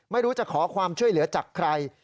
ไม่รู้จะขอความช่วยเหลือจากใคร